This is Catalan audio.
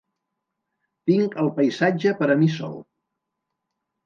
Tinc el paisatge per a mi sol.